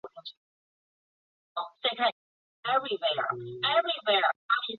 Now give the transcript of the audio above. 崇祯七年卒。